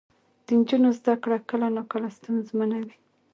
د نجونو زده کړه کله ناکله ستونزمنه وي.